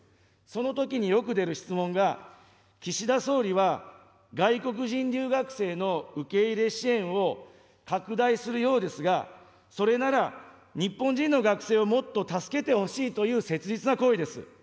そのときによく出る質問が、岸田総理は外国人留学生の受け入れ支援を拡大するようですが、それなら日本人の学生をもっと助けてほしいという切実な声です。